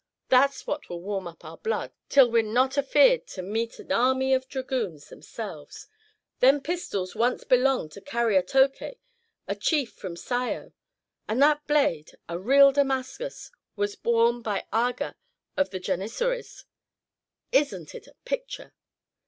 That's what will warm up our blood, till we 'll not be afeard to meet an army of dragoons themselves. Them pistols once belonged to Cariatoké, a chief from Scio; and that blade a real Damascus was worn by an Aga of the Janissaries. Isn't it a picture?"